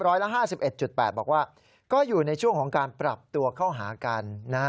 ร้อยละ๕๑๘บอกว่าก็อยู่ในช่วงของการปรับตัวเข้าหากันนะฮะ